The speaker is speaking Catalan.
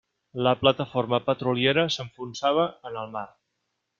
La plataforma petroliera s'enfonsava en el mar.